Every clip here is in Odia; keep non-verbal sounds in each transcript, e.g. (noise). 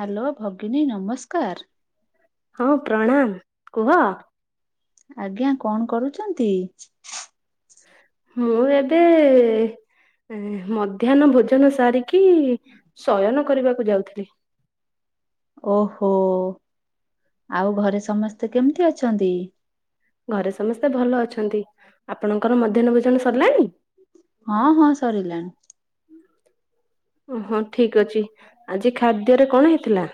ହ୍ୟାଲୋ ଭଗିନୀ ନମସ୍କାର। ହଁ ପ୍ରଣାମ କୁହ। ଆଜ୍ଞା କଣ କରୁଛନ୍ତି? ମୁଁ ଏବେ ଏ ମଧ୍ୟାହ୍ନ ଭୋଜନ ସାରିକି ଶୟନ କରିବାକୁ ଯାଉଥିଲି। ଓହୋ ଆଉ ଘରେ ସମସ୍ତେ କେମିତି ଅଛନ୍ତି? ଘରେ ସମସ୍ତେ ଭଲ ଅଛନ୍ତି। ଆପଣଙ୍କର ମଧ୍ୟାହ୍ନ ଭଜଣ ସରିଲାଣି। ହଁ ହଁ ସରିଲାଣି। ଓହୋ ଠିକ ଅଛି ଆଜି ଖାଦ୍ୟରେ କଣ ହେଇଥିଲା।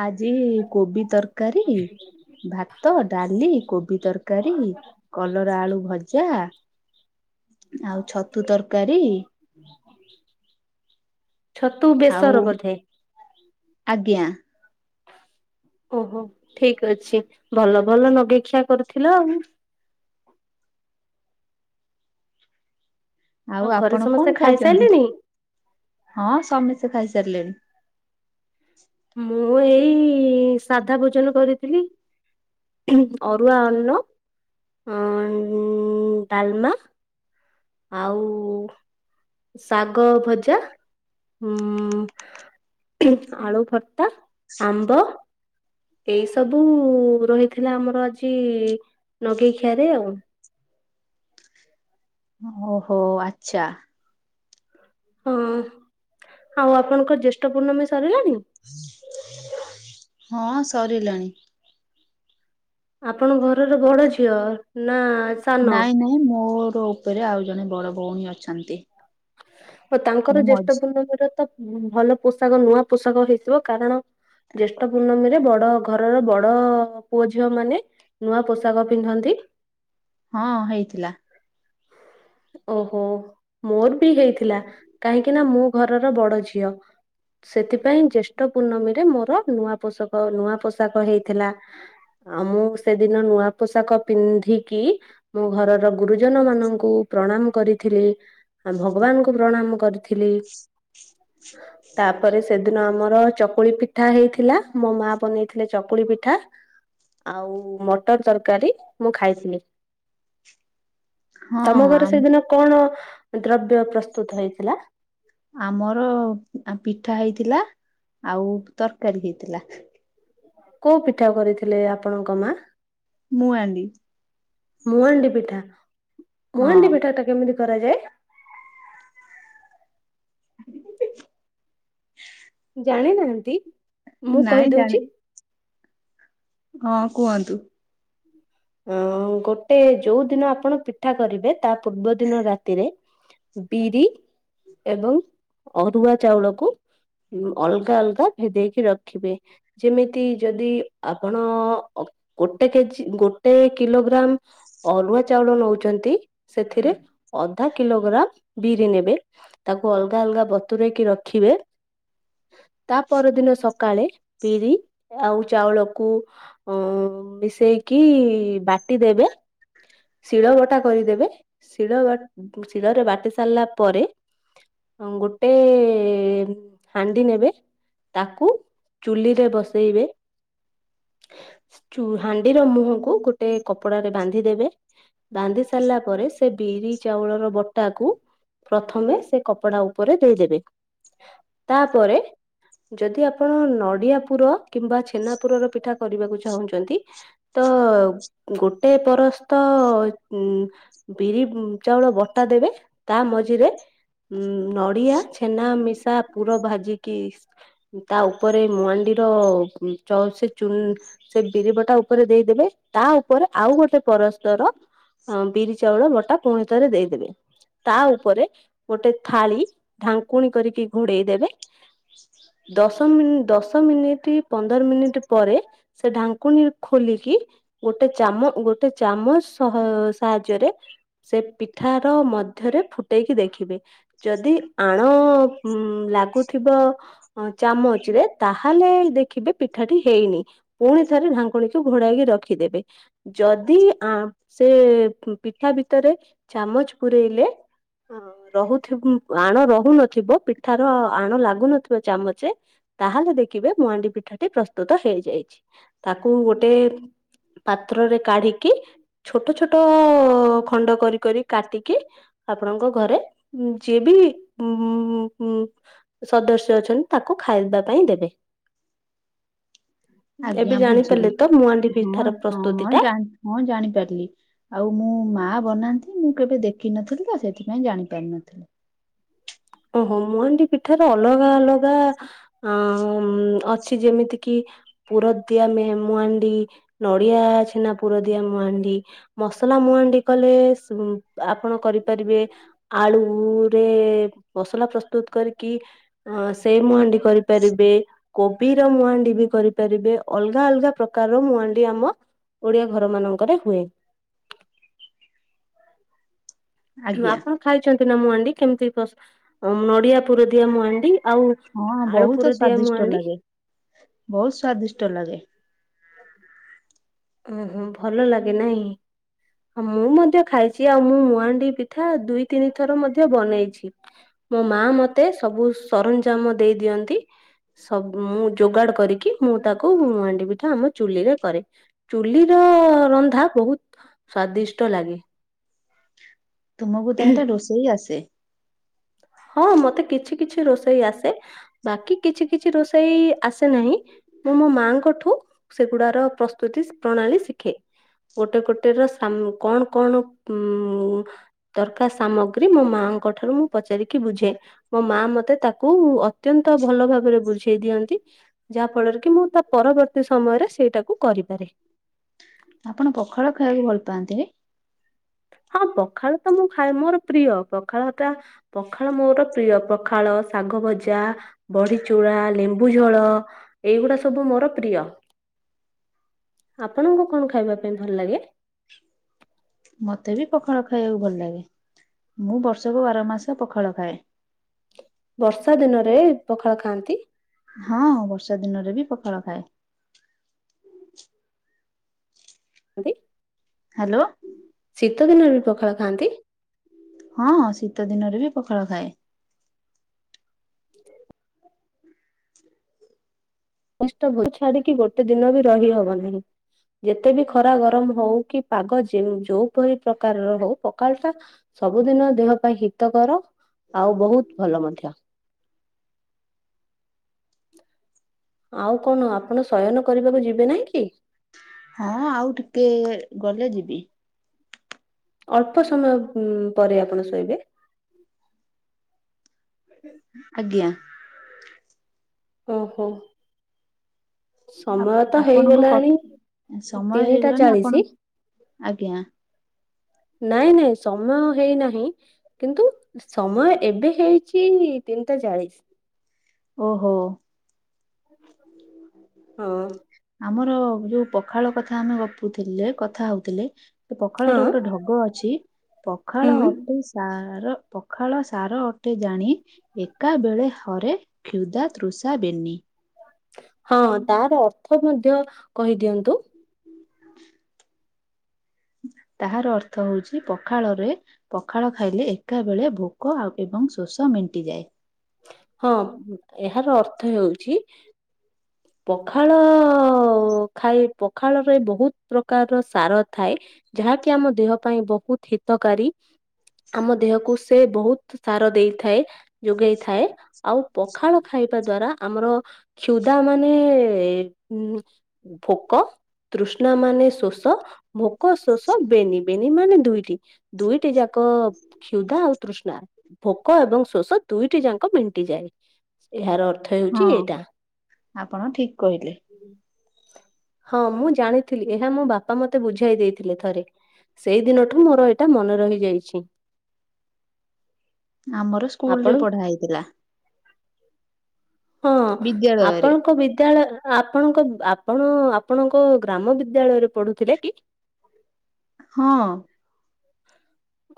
ଆଜି କୋବି ତରକାରୀ ଭାତ ଡାଲି କୋବି ତରକାରୀ କଲରା ଆଳୁ ଭଜା ଆଉ ଛତୁ ତରକାରୀ। ଛତୁ ଆଉ ବେସର ବୋଧେ। ଆଜ୍ଞା। ଓହୋ ଠିକ ଅଛି, ଭଲ। ଭଲ ନଗେଇଖିଆ କରୁଥିଲ ଆଉ। ଆଉ ଘରେ ଆପଣ ସମସ୍ତେ କଣ ଖାଇଛନ୍ତି। ଖାଇସାରିଲେଣି ହଁ ସମସ୍ତେ ଖାଇସାରିଲେଣି। ମୁଁ ଏଇ ସାଧା ଭୋଜନ କରିଥିଲି ଅରୁଆ ଅନ୍ନ, ଅ ଡାଲମା ଆଉ ଶାଗ ଭଜା, ହୁଁ ଆଳୁଭର୍ତ୍ତା, ଆମ୍ବ ଏଇ ସବୁ ରହି ଥିଲା ଆମର ଆଜି ନଗେଇ ଖିଆରେ ଆଉ। ଓହୋ ଆଛା। ହଁ ଆଉ ଆପଣଙ୍କର ଜ୍ୟେଷ୍ଠ ପୂର୍ଣ୍ଣମୀ ସରିଲାଣି। ହଁ ସରିଲାଣି। ଆପଣ ଘରର ବଡ ଝିଅ? ନା ସାନ? ନାଇଁ ନାଇଁ ମୋର ଉପରେ ଆଉ ଜଣେ ବଡ ଭଉଣୀ ଅଛନ୍ତି। ଓ ତାଙ୍କର ମୁଁ ଜ୍ୟେଷ୍ଠ ମଝି ପୂର୍ଣ୍ଣମୀର ତ ଭଲ ପୋଷାକ ନୂଆ ପୋଷାକ ହେଇଥିବ। କାରଣ ଜ୍ୟେଷ୍ଠ ପୂର୍ଣ୍ଣମୀ ରେ ବଡ ଘରର ବଡ ପୁଅ ଝିଅ ମାନେ ନୂଆ ପୋଷାକ ପିନ୍ଧନ୍ତି। ହଁ ହେଇଥିଲା। ଓହୋ। ମୋର ବି ହେଇଥିଲା କାହିଁକି ନା ମୁଁ ଘରର ବଡ ଝିଅ। ସେଥିପାଇଁ ଜ୍ୟେଷ୍ଠ ପୂର୍ଣ୍ଣମୀରେ ମୋ ସବ ନୂଆ ପୋଷାକ ନୂଆ ପୋଷାକ ହେଇଥିଲା ଆଉ ମୁଁ ସେଦିନ ନୂଆ ପୋଷାକ ପିନ୍ଧିକି ମୁଁ ଘରର ଗୁରୁଜନ ମାନଙ୍କୁ ପ୍ରଣାମ କରିଥିଲି। ଆ ଭଗବାନଙ୍କୁୁ ପ୍ରଣାମ କରିଥିଲି। ତାପରେ ସେଦିନ ଆମର ଚକୁଳି ପିଠା ହେଇଥିଲା, ମୋ ମା ବନେଇଥିଲେ ଚକୁଳି ପିଠା ଆଉ ମଟର ତରକାରୀ, ମୁଁ ଖାଇଥିଲି। ହଁ ତମ ଘରେ ଆମ ସେଦିନ କଣ ଦ୍ରବ୍ୟ ପ୍ରସ୍ତୁତ ହେଇଥିଲା ଆମର ପିଠା ହେଇଥିଲା ଆଉ ତରକାରୀ ହେଇଥିଲା କୋଉ ପିଠା କରିଥିଲେ ଆପଣଙ୍କ ମା ମୁଁ ଆଡି ମୁଁ ଆଣ୍ଡି ପିଠା ହଁ ଗୁହାଣ୍ଡି ପିଠା ଟ କେମିତି କରାଯାଏ ଜାଣି ନାହାନ୍ତି ମୁଁ ନାଇଁ ଜାଣି କହିଦଉଛି ହଁ କୁହନ୍ତୁ ଅ ଗୋଟେ ଯୋଉ ଦିନ ଆପଣ ପିଠା କରିବେ ତା ପୂର୍ବ ଦିନ ରାତିରେ ବିରି ଏବଂ ଅରୁଆ ଚାଉଳକୁ ଅଲଗା ଅଲଗା ଭିଦେଇକି ରଖିବେ ଯେମିତି ଯଦି ଆପଣ ଗୋଟେ କେଜିୋ କେତେ କିଲୋଗ୍ରାମ ଅରୁଆ ଚାଉଳ ନଉଛନ୍ତି ସେଥିରେ ଅଧା କିଲୋଗ୍ରାମ ବିରି ନେବେ ତାକୁ ଅଲଗା ଅଲଗା ବତୁରରେଇକି ରଖିବେ ତା ପରଦିନ ସକାଳେ ପିରି ଆଉ ଚାଉଳକୁ ଅ ମିଶେଇକି ବାଟିଦେବେ ଶିଳ ବଟା କରିଦେବେ ଶିଳ ବା ଶିଳରେ ବାଟି ସାରିଲା ପରେ ଗୋଟେ ହାଣ୍ଡି ନେବେ ତାକୁ ଚୁଲିରେ ବସେଇବେ ୁ ହାଣ୍ଡି ର ମୁହକୁ ଗୋଟ ଗୋଟେ କପଡରେ ବାନ୍ଧି ଦେବେ ବାନ୍ଧି ସାରିଲା ପରେ ସେ ବିରି ଚାଉଳର ବଟାକୁ ପ୍ରଥମେ ସେ କପଡ଼ା ଉପରେ ଦେଇଦେବେ ତାପରେ ଯଦି ଆପଣ ନଡିଆ ପୁର କିମ୍ବା ଛେନା ପୁରର ପିଠା କରିବାକୁ ଚାହୁଁଛନ୍ତି ତ ଗୋଟେ ପରସ୍ତ ଉ ବିରି ଚାଉଳ ବଟା ଦେବେ ତା ମଝିରେ ଉ ନଡିଆ ଛେନା ମିଶା ପୁର ଭାଜିକି ତା ଉପରେ ମୁହାଣ୍ଡିର ସେ ଚ ସେ ବିରି ବଟା ଉପରେ ଦେଇଦେବେ ତା ଉପରେ ଆଉ ଗୋଟେ ପରସ୍ପର ବିରି ଚାଉଳ ବଟା ପୁଣି ଥରେ ଦେଇଦେବେ ତା ଉପରେ ଗୋଟେ ଥାଳି ଢାଙ୍କୁଣୀ କରିକି ଘୋଡେଇ ଦେବେ ଦଶ ମିନି ଦଶ ମିନିଟ ପନ୍ଦର ମିନିଟ ପରେ ସେ ଢାଙ୍କୁଣୀ ଖୋଲିକି ଗୋଟେ ଗୋଟେ ଚାମଚ ସାହାଯ୍ୟରେ ସେ ପିଠାର ମଧ୍ୟରେ ଫୁଟେଇକି ଦେଖିବେ ଯଦି ଆଣ ଲାଗୁଥିବ ଚାମଚରେ ତାହେଲେ ଦେଖିବେ ପିଠାଟି ହେଇନି ପୁଣି ଥରେ ଢାଙ୍କୁଣୀକୁ ଘୋଡାଇକି ରଖି ଦେଖିଦେବେ ଯଦି ସେ ପିଠା ଭିତରେ ଚାମଚ ପୂରେଇଲେ ରହୁିବ ଆଣ ରହୁନଥିବ ପିଠାର ଆଣ ଲାଗୁନଥିବ ଚାମଚ ତାହେଲେ ଦେଖିବେ ମୁହାଣ୍ଡି ପିଠାଟି ପ୍ରସ୍ତୁତ ହେଇଯାଇଛି ତାକୁ ଗୋଟେ ପାତ୍ରରେ କାଢିକି ଛୋଟ ଛୋଟ ଖଣ୍ଡ କରି କରି କାଟିକି ଆପଣଙ୍କ ଘରେ ଯିଏ ବି ଉ ସଦସ୍ୟ ଅଛନ୍ତି ତାକୁ ଖାଇବା ପାଇଁ ଦେବେ ଆଜ୍ଞା ଏବେ ବୁଝିଲି ଜାଣିପାରିଲେ ତ ମୁହାଣ୍ଡି ଭିତରେ ହଁ ହଁ ହଁା ହଁ ଜାଣିପାରିଲି ଆଉ ମୁଁ ମା ବନାନ୍ତି ମୁଁ କେବେ ଦେଖିନଥିଲି ତ ସେଥିପାଇଁ ଜାଣି ପାରିନଥିଲି ଓହୋ ମୁହାଣ୍ଡି ପିଠାର ଅଲଗା ଅଲଗା ଅମ ଅଛି ଯେମିତି କିି ପୁରଦିଆ ମେ ମୁହାଣ୍ଡି ନଡିଆ ଛେନା ପୁରଦିଆ ମୁହାଣ୍ଡି ମସଲା ମୁହାଣ୍ଡି କଲେ ସ ଆପଣ କରିପାରିବେ ଆଳୁରେ। ମସଲା ପ୍ରସ୍ତୁତ କରିକି ଅ ସେଇ ମୁହାଣ୍ଡି କରିପାରିବେ କୋବିର ମୁହାଣ୍ଡି ବି କରିପାରିବେ ଅଲଗା ଅଲଗା ପ୍ରକାରର ମୁହାଣ୍ଡି ଆମ ଓଡିଆ ଘର ମାନଙ୍କରେ ହୁଏ। ଆଜ୍ଞା ଆପଣ ଖାଇଛନ୍ତ ନ୍ତିନା ମୁଁ ମୁଆଣ୍ଡି କେମିତି ସ ଅମ ନଡିଆ ପୁର ଦିଆ ମୁଆଣ୍ଡି। ହଁ ବହୁତ ସ୍ଵାଦିଷ୍ଟ ଲାଗେ ବହୁତ ସ୍ଵାଦିଷ୍ଟ ଲାଗେ। ଓହୋ ଭଲ ଲାଗେ ନାହିଁ ମୁଁ ମଧ୍ୟ ଖାଇଛି ଆଉ ମୁଁ ମୁହାଣ୍ଡି ପିଠା ଦୁଇ ତିନି ଥର ମଧ୍ୟ ବନେଇଛି ମୋ ମା ମତେ ସବୁ ସରଞ୍ଜାମ ଦେଇ ଦିଅନ୍ତି ସବ ମୁଁ ଯୋଗାଡ କରିକି ମୁଁ ତାକୁ ମୁହାଣ୍ଡି ପିଠା ଆମ ଚୁଲିରେ କରେ। ଚୁଲିର ରନ୍ଧା ବହୁତ ସ୍ଵାଦିଷ୍ଟ ଲାଗେ। ତୁମକୁ ତାହେଲେ ରୋଷେଇ ଆସେ। ହଁ ମତେ କିଛି କିଛି ରୋଷେଇ ଆସେ ବାକି କିଛି କିଛି ରୋଷେଇ ଆସେ ନାହିଁ ମୁଁ ମୋ ମାଙ୍କଠୁ ସେଗୁଡାର ପ୍ରସ୍ତୁତି ପ୍ରଣାଳୀ ଶିଖେ। ଗୋଟେ ଗୋଟେ ର ସାମ। କଣ କଣ ଉମ ଦରକାର ସାମଗ୍ରୀ ମୋ ମାଙ୍କ ଠାରୁ ମୁ ପଚାରି କି ବୁଝେ ମୋ ମା ମତେ ତାକୁ ଅତ୍ୟନ୍ତ ଭଲ ଭାବରେ ବୁଝେଇ ଦିଅନ୍ତି ଯାହା ଫଳରେ କି ମୁଁ ତା ପରବର୍ତ୍ତୀ ସମୟରେ ସେଇଟାକୁ କରିପାରେ। ଆପଣ ପଖାଳ ଖାଇବାକୁ ଭଲ ପାଆନ୍ତି ରାଇଟ। ହଁ ତ। ଖାଳ ତ ମୁଁ ଖାଏ ମୋର ପ୍ରିୟ। ପଖାଳ ଟା ପଖାଳ ମୋର ପ୍ରିୟ ପଖାଳ ଶାଗ ଭଜା ବଢି ଚୁରା ଲେମ୍ବୁଝୋଳ ଏଇଗୁଡା ସବୁ ମୋର ପ୍ରିୟ। ଆପଣଙ୍କୁ କଣ ଖାଇବା ପାଇଁ ଭଲ ଲାଗେ? ମତେ ବି ପଖାଳ ଖାଇବାକୁ ଭଲ ଲାଗେ। ମୁଁ ବର୍ଷକୁ ବାର ମାସ ପଖାଳ ଖାଏ। ବର୍ଷା ଦିନରେ ପଖାଳ ଖାଆନ୍ତି। ହଁ ବର୍ଷା ଦିନରେ ବି ପଖାଳ ଖାଏ। ଆନ୍ତି। ହାଲୋ। ଶୀତ ଦିନରେ ବି ପଖାଳ ଖାଆନ୍ତି। ହଁ ଶୀତ ଦିନରେ ବି ପଖାଳ ଖାଏ। କଷ୍ଟ ଭୋ ଛାଡିକି ଗୋଟେ ଦିନ ବି ରହି ହବନି ଯେତେ ବି ଖରା ଗରମ ହଉ କି ପାଗ ଯେ ଯୋଉପରି ପ୍ରକାରର ହଉ ପକାଳଟା ସବୁଦିନ ଦେହ ପାଇଁ ହିତକର ଆଉ ବହୁତ ଭଲ ମଧ୍ୟ। ଆଉ କଣ ଆପଣ ଶୟନ କରିବାକୁ ଯିବେ ନାହିଁ କି? ହଁ ଆଉ ଟିକେ ଗଲେ ଯିବି। ଅଳ୍ପ ସମୟ ଉମ ପରେ ଆପଣ ଶୋଇବେ। ଆଜ୍ଞା। ଓ ହୋ। ଆ ଆପଣଙ୍କ କ ସମୟ ତିନିଟା ହେଇଗଲାଣି ଚାଳିଶି ଆପଣ ଆଜ୍ଞା। ନାଇଁ ନାଇଁ ସମୟ ହେଇନାହିଁ କିନ୍ତୁ ସମୟ ଏବେ ହେଇଛି ତିନିଟା ଚାଳିଶ। ଓହୋ। ହଁ। ଆମର ଯୋଉ ପଖାଳ କଥା ଆମେ ଗପୁଥିଲେ କଥା ହଉଥିଲେ। ପଖାଳ ହଁ ର ଗୋଟେ ଢଗ ଅଛି ପଖାଳ ହୁଁ ଅଟେ ସାର। ପଖାଳ ସାର ଅଟେ, ଜାଣେ ଏକା ବେଳେ ହରେ କ୍ଷୁଧା ତୃଷା ବେନି। ହଁ ତାର ଅର୍ଥ ମଧ୍ୟ କହିଦିଅନ୍ତୁ। ତାହାର ଅର୍ଥ ହଉଛି, ପଖାଳରେ ପଖାଳ ଖାଇଲେ ଏକା ବେଳେ ଭୋକ ଏବଂ ଶୋଷ ମେଣ୍ଟିଯାଏ। ହଁ ଏହାର ଅର୍ଥ ହେଉଛି। ପଖାଳ ଖାଇ ପଖାଳରେ ବହୁତ ପ୍ରକାରର ସାର ଥାଏ, ଯାହାକି ଆମ ଦେହ ପାଇଁ ବହୁତ ହିତକାରୀ। ଆମ ଦେହକୁ ସେ ବହୁତ ସାର ଦେଇଥାଏ। ଯୋଗେଇ ଥାଏ, ଆଉ ପଖାଳ ଖାଇବା ଦ୍ଵାରା ଆମର କ୍ଷୁଦା ମାନେ ସେ ଉଁ। ଭୋକ ତୃଷ୍ଣା ମାନେ ଶୋଷ। ତ ଭୋକ, ଶୋଷ ବେନି। ବେନି ମାନେ ଦୁଇଟି। ଦୁଇଟି ଯାକ କ୍ଷୁଦା ଆଉ ତୃଷ୍ଣା, ଭୋକ ଏବଂ ଶୋଷ ଦୁଇଟି ଯାକ ମେଣ୍ଟିଯାଏ। ଏହାର ଅର୍ଥ ହଁ ହେଉଛି ଏଇଟା। ଆପଣ ଠିକ କହିଲେ। ହଁ, ମୁଁ ଜାଣିଥିଲି। ଏହା ମୋ ବାପା ମତେ ବୁଝାଇ ଦେଇଥିଲେ ଥରେ। ସେଇ ଦିନଠୁ ମୋର ଏଇଟା ମନେ ରହିଯାଇଛି। ଆମ ସ୍କୁଲ ଆପଣ ରେ ପଢା ହେଇଥିଲା। (inaudible) ହଁ ବିଦ୍ୟାଳୟରେ ଆପଣଙ୍କ ବିଦ୍ୟାଳୟ ଆପଣ ଆପଣଙ୍କ ଗ୍ରାମ ବିଦ୍ୟାଳୟରେ ପଢୁଥିଲେ କି? ହଁ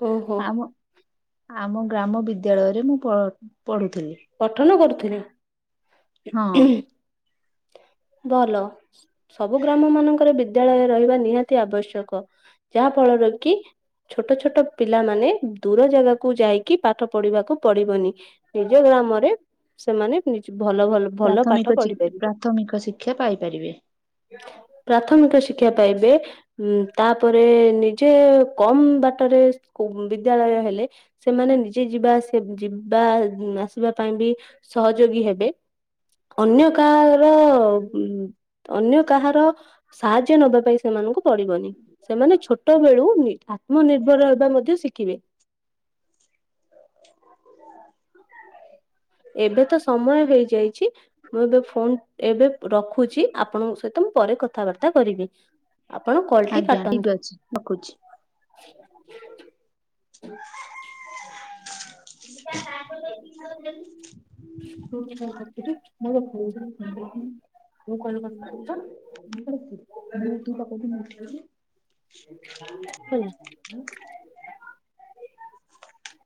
ଓହୋ ଆମ ଆମ ଗ୍ରାମ ବିଦ୍ୟାଳୟରେ ମୁଁ (unintelligible) ପଢ଼ୁଥିଲି। ଥିଲେ ହଁ। ଭଲ। ସବୁ ଗ୍ରାମ ମାନଙ୍କରେ ବିଦ୍ୟାଳୟ ରହିବା ନିହାତି ଆବଶ୍ୟକ ଯାହା ଫଳରେ କି ଛୋଟ ଛୋଟ ପିଲାମାନେ ଦୂର ଜାଗାକୁୁ ଯାଇକି ପାଠ ପଢିବାକୁ ପଡିବନି। ଗ୍ରାମରେ ସେମାନେ ଚି ଭଲ ଭଲ ଭଲ ପ୍ରାଥମିକ ପାଠ ଚି ପଢିପାରିବେ ପ୍ରାଥମିକ ଶିକ୍ଷା ପାଇପାରିବେ ପ୍ରାଥମିକ ଶିକ୍ଷା ପାଇବେ ଉଁ ତାପରେ ନିଜେ କମ ବାଟରେ କୁମ ବିଦ୍ୟାଳୟ ହେଲେ ସେମାନେ ନିଜେ ଯିବା ଆସିବ ଯିବ ଆ ଆସିବା ପାଇଁ ବି ସହଯୋଗୀ ହେବେ। ଅନ୍ୟ କାହାର ମ୍ ଅନ୍ୟ କାହାର ସାହାଯ୍ୟ ନବା ପାଇଁ ସେମାନଙ୍କୁ ପଡିବନି ସେମାନେ ଛୋଟ ବେଳୁ ନି ଆତ୍ମନିର୍ଭର ହେବା ମଧ୍ୟ ଶିଖିବେ। ଏବେ ତ ସମୟ ହେଇଯାଇଛି ମୁଁ ଏବେ ଫୋନ ଏବେ ରଖୁଚି ଆପଣଙ୍କ ସହିତ ମୁଁ ପରେ କଥାବାର୍ତ୍ତା କରିବି। ଆପଣ କଲଟି ଆଜ୍ଞା ଠିକ କାଟନ୍ତୁ। ଅଛି ରଖୁଛି। ମୁଁ କଲ୍ କରିଥିଲି ତ ହେଲା (unintelligible)